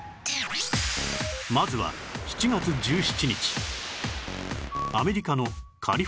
まずは７月１７日